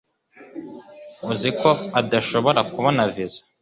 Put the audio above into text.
uziko adashobora kubona visa